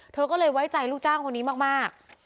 เธอก็เลยไว้ใจลูกจ้างคนนี้มาก